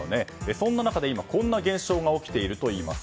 そんな中、今こんな現象が起きているといいます。